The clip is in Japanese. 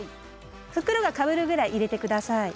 袋がかぶるぐらい入れて下さい。